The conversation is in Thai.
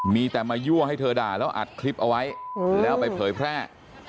มีแต่มายั่วให้เธอด่าแล้วอัดคลิปเอาไว้แล้วไปเผยแพร่